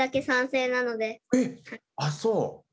あっそう。